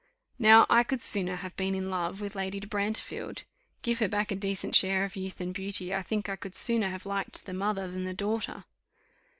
Now I could sooner have been in love with Lady de Brantefield. Give her back a decent share of youth and beauty, I think I could sooner have liked the mother than the daughter.